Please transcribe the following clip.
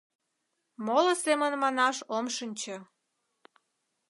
Моло семын манаш ом шинче...